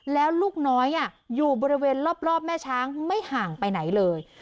แล้วลูกน้อยอยู่บริเวณรอบแม่ช้างไม่ห่างไปไหนเลย